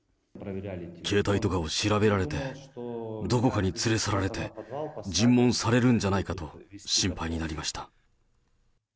携帯とかを調べられて、どこかに連れ去られて、尋問されるんじゃないかと心配になりました。